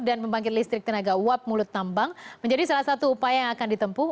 dan pembangkit listrik tenaga wab mulut tambang menjadi salah satu upaya yang akan ditempuh